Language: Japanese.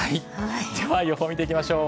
では予報、見ていきましょう。